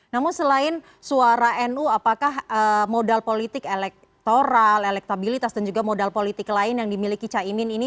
namun selain suara nu apakah modal politik elektoral elektabilitas dan juga modal politik lain yang dimiliki caimin ini